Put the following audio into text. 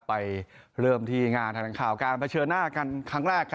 ไปเริ่มที่งานท